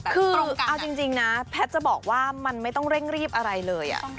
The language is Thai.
คือเอาจริงนะแพทย์จะบอกว่ามันไม่ต้องเร่งรีบอะไรเลย